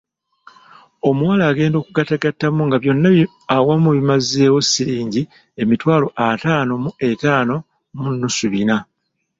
Omuwala agenda okugattagattamu nga byonna awamu bimazeewo siringi emitwalo ataano mu etaano mu nnusu bina.